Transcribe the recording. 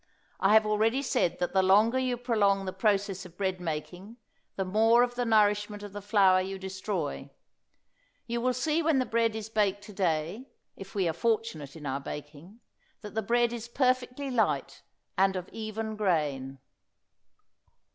I have already said that the longer you prolong the process of bread making the more of the nourishment of the flour you destroy. You will see when the bread is baked to day, if we are fortunate in our baking, that the bread is perfectly light and of even grain.